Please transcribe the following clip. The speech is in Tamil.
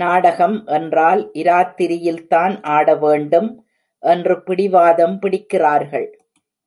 நாடகம் என்றால் இராத்திரியில்தான் ஆடவேண்டும்! என்று பிடிவாதம் பிடிக்கிறார்கள்.